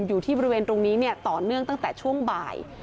อยู่ที่บริเวณตรงนี้ต่อเนื่องตั้งแต่ช่วงบ่าย